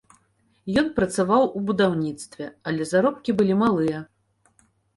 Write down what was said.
Ён працаваў у будаўніцтве, але заробкі былі малыя.